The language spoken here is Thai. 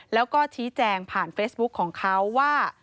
แล้วก็ชี้แจงผ่านเฟซบุ๊คของเขาว่า